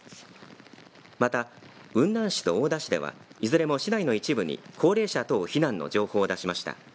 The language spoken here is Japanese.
また雲南市と大田市ではいずれも市内の一部に高齢者等避難の情報を出しました。